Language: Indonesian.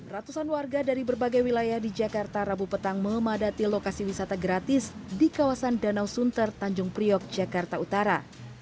ratusan warga dari berbagai wilayah di jakarta rabu petang memadati lokasi wisata gratis di kawasan danau sunter tanjung priok jakarta utara